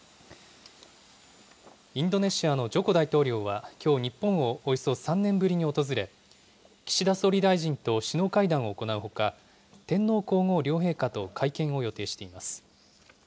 インドネシアのジョコ大統領はきょう、日本をおよそ３年ぶりに訪れ、岸田総理大臣と首脳会談を行うほか、天皇皇后両陛下と会見を予定しています。